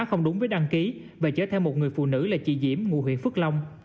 không đúng với đăng ký và chở theo một người phụ nữ là chị diễm ngụ huyện phước long